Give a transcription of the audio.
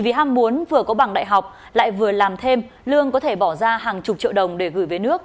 vì ham muốn vừa có bằng đại học lại vừa làm thêm lương có thể bỏ ra hàng chục triệu đồng để gửi về nước